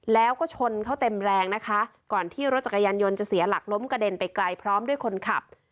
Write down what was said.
แล้วก็ชนเขาเต็มแรงนะคะก่อนที่รถจักรยานยนต์จะเสียหลักล้มกระเด็นไปไกลพร้อมด้วยคนขับ